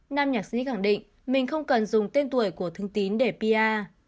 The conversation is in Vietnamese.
nam nhạc sĩ khẳng định mình không cần dùng tên tuổi của thương tín để pia